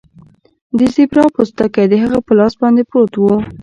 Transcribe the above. د زیبرا پوستکی د هغه په لاس باندې پروت و